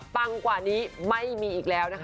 ปังกว่านี้ไม่มีอีกแล้ว